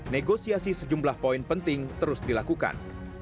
negosiasi sejumlah poin penting terus dilakukan